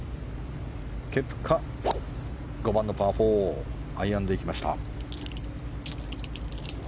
ケプカ、５番のパー４アイアンでいきました。